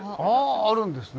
ああるんですね。